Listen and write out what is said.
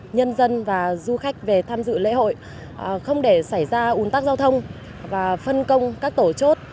nhân dân và du khách về tham dự lễ hội không để xảy ra ủn tắc giao thông và phân công các tổ chốt